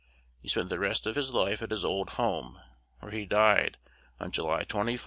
He spent the rest of his life at his old home, where he died on Ju ly 24th, 1862.